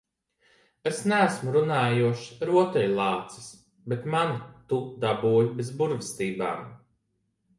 Es neesmu runājošs rotaļlācis, bet mani tu dabūji bez burvestībām.